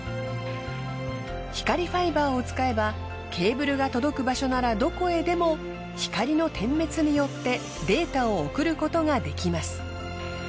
光ファイバーを使えばケーブルが届く場所ならどこへでも光の点滅によってデータを送ることができます。